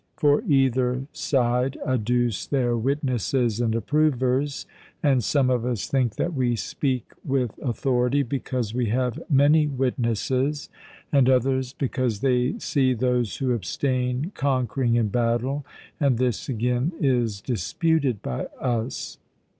For either side adduce their witnesses and approvers, and some of us think that we speak with authority because we have many witnesses; and others because they see those who abstain conquering in battle, and this again is disputed by us.